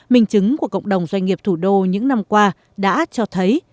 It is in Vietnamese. minh chứng của cộng đồng doanh nghiệp thủ đô những năm qua đã cho thấy